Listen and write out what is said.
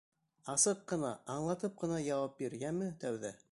Асыҡ ҡына, аңлатып ҡына яуап бир, йәме, тәүҙә.